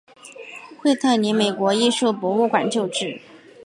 惠特尼美国艺术博物馆旧址。